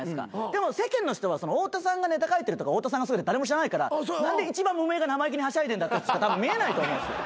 でも世間の人は太田さんがネタ書いてるとか太田さんがすごいって誰も知らないから何で一番無名が生意気にはしゃいでんだとしか見えないと思うんすよ。